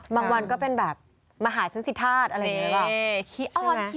บางวันก็เป็นแบบมหาสังสิทธาตุอะไรอย่างนี้